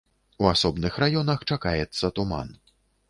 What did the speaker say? У асобных раёнах чакаецца туман.